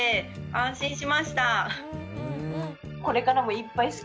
安心しました。